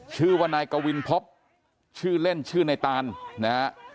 ชื่อว่านายกวินพบชื่อเล่นชื่อในตานนะฮะ